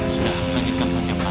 sudah lanjutkan saja perhatian mereka